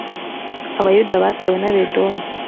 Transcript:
abayuda batewe n’abedomu